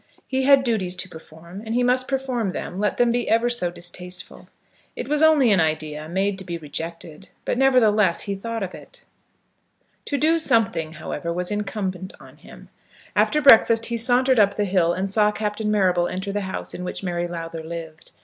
He had duties to perform, and he must perform them, let them be ever so distasteful. It was only an idea, made to be rejected; but, nevertheless, he thought of it. To do something, however, was incumbent on him. After breakfast he sauntered up the hill and saw Captain Marrable enter the house in which Mary Lowther lived.